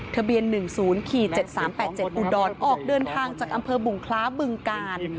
ทะเบียน๑๐๔๗๓๘๗อุดรออกเดินทางจากอำเภอบุงคล้าบึงกาล